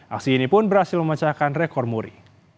aksi ini pun berhasil memecahkan rekor muri